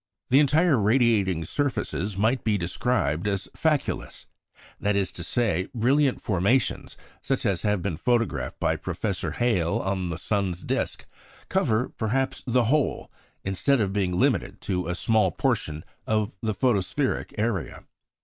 Their entire radiating surfaces might be described as faculous. That is to say, brilliant formations, such as have been photographed by Professor Hale on the sun's disc, cover, perhaps, the whole, instead of being limited to a small portion of the photospheric area.